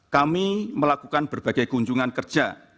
kami melakukan berbagai kunjungan kerja